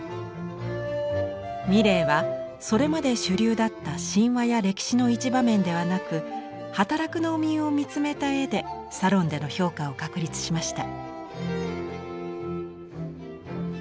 ミレーはそれまで主流だった神話や歴史の一場面ではなく働く農民を見つめた絵でサロンでの評価を確立しました。